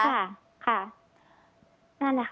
ค่ะค่ะนั่นแหละค่ะ